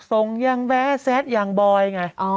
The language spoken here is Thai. ส่งอย่างแบดแซสอย่างบ่อยไง